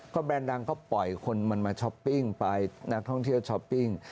ก็แบรนดดังเขาปล่อยคนมันมาช้อปปิ้งไปนักท่องเที่ยวช้อปปิ้ง